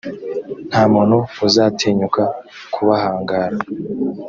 nta muntu uzatinyuka kubahangara;